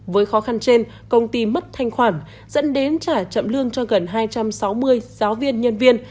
với khó khăn trên công ty mất thanh khoản dẫn đến trả chậm lương cho gần hai trăm sáu mươi giáo viên nhân viên